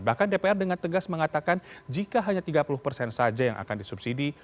bahkan dpr dengan tegas mengatakan jika hanya tiga puluh persen saja yang akan disubsidi